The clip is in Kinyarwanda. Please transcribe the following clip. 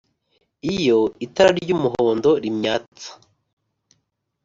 Iyo itara ry'umuhondo rimyatsa